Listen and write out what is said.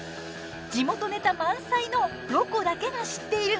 地元ネタ満載の「ロコだけが知っている」。